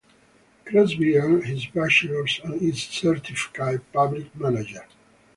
Crosby earned his bachelor's and is a certified public manager.